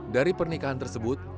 dari pernikahan tersebut